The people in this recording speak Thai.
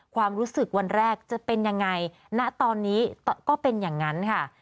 ความรู้สึกวันแรกจะเป็นยังไงณตอนนี้ก็เป็นอย่างนั้นค่ะ